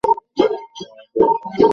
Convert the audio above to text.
হ্যাঁ - আমাকে অনুসরণ করুন প্লিজ।